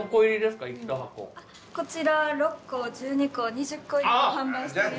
こちら６個１２個２０個入りと販売しております。